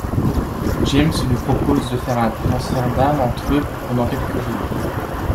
James lui propose de faire un transfert d'âme entre eux pendant quelques jours.